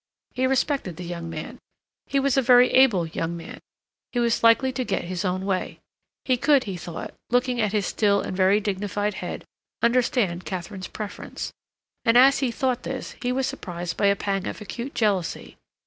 He respected the young man; he was a very able young man; he was likely to get his own way. He could, he thought, looking at his still and very dignified head, understand Katharine's preference, and, as he thought this, he was surprised by a pang of acute jealousy.